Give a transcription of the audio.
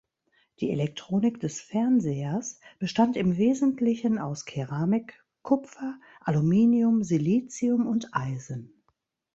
Die Elektronik des Fernsehers bestand im Wesentlichen aus Keramik, Kupfer, Aluminium, Silizium und Eisen.